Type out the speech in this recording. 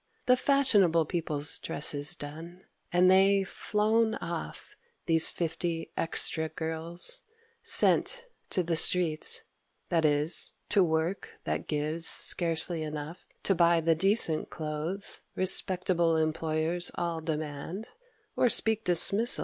The fashionable people's dresses done, And they flown off, these fifty extra girls Sent—to the streets: that is, to work that gives Scarcely enough to buy the decent clothes Respectable employers all demand Or speak dismissal.